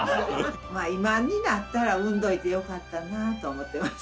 まあ今になったら産んどいてよかったなと思ってます。